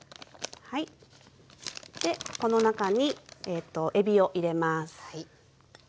でこの中にえびを入れます。